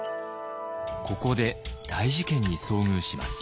ここで大事件に遭遇します。